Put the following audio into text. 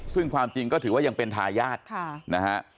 ซึ่งความจริงก็ถือว่ายังเป็นทายาทนะฮะ